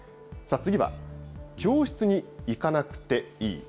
次は、教室に行かなくていい。